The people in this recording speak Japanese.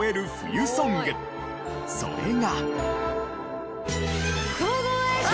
それが。